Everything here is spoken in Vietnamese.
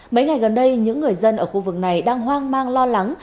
mấy ngày gần đây những người dân ở khu vực này đang hoang mang lo lắng